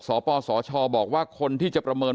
สปสชบอกว่าคนที่จะประเมิน